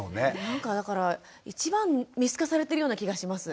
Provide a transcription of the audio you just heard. なんかだから一番見透かされてるような気がします